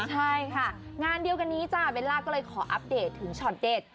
ใช่ค่ะงานเดียวกันนี้จ้าเบลล่าก็เลยขออัปเดตถึงช็อตเด็ด